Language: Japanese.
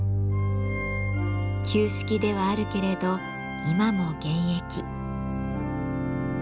旧式ではあるけれど今も現役。